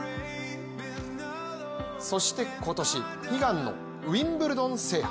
そして今年、悲願のウィンブルドン制覇。